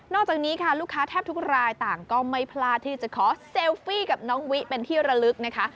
จากนี้ค่ะลูกค้าแทบทุกรายต่างก็ไม่พลาดที่จะขอเซลฟี่กับน้องวิเป็นที่ระลึกนะคะ